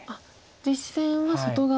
実戦は外側。